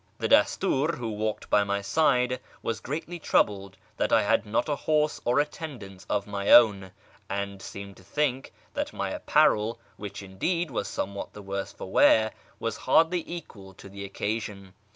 The Dastur, who walked by my side, was greatly troubled that I had not a horse or attendants of my own, and seemed to think that my apparel (which, indeed, was somewhat the worse for wear) was hardly equal to the occa sion.